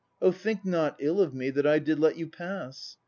Oh think not ill of me That I did let you pass!